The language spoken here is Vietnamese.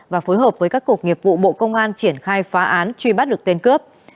và phối hợp với các cuộc nghiệp vụ bộ công an triển khai phá án truy bắt được tên cướp